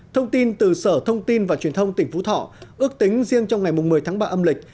thông tin từ sở thông tin và truyền thông tỉnh phú thọ ước tính riêng trong ngày một mươi tháng ba âm lịch